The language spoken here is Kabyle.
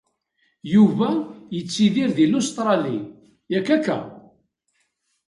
Yuba yettidir di Lustṛali, yak akka?